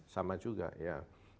sama juga ya